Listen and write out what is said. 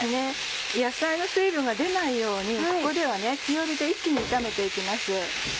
野菜の水分が出ないようにここでは強火で一気に炒めて行きます。